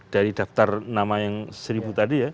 dari daftar nama yang seribu tadi ya